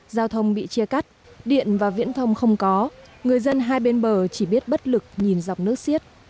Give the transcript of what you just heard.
giao thông bị chia cắt điện và viễn thông không có người dân hai bên bờ chỉ biết bất lực nhìn dọc nước xiết